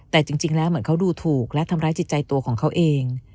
แต่จริงแล้วเหมือนเขาดูถูกและทำร้ายจิตใจตัวของเขาเอง